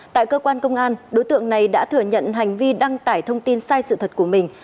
tại cơ quan công an đối tượng này đã thừa nhận hành vi đăng tải thông tin sai sự thật của mình